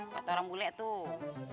kata orang bule tuh